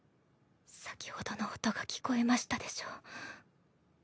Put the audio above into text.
先ほどの音が聞こえましたでしょう。